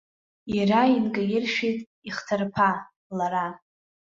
Иара инкаиршәит ихҭарԥа, лара.